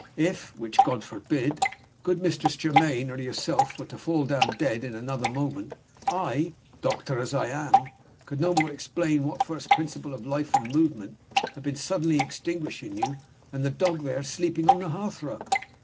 If (which God forbid!) good Mistress Germaine or yourself were to fall down dead in another moment, I, doctor as I am, could no more explain what first principle of life and movement had been suddenly extinguished in you than the dog there sleeping on the hearth rug.